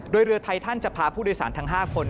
โดยเรือไทยท่านจะพาผู้โดยสารทั้ง๕คน